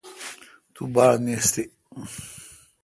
تو۔ باڑنیستی